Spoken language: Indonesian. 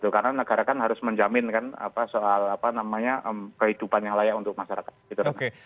karena negara kan harus menjamin kan soal kehidupan yang layak untuk masyarakat